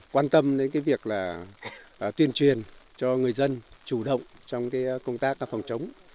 quan tâm đến việc tuyên truyền cho người dân chủ động trong công tác phòng trống